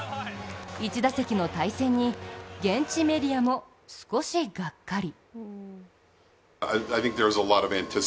１打席だけの対戦に現地メディアも少しがっかり。